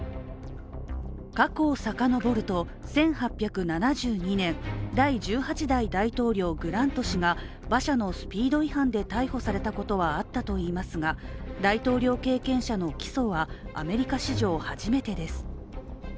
過去をさかのぼると１８７２年第１８代大統領グラント氏が馬車のスピード違反で逮捕されたことはあったといいますが、大統領経験者の起訴はアメリカ史上初めてです。